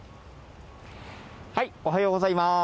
おはようございます。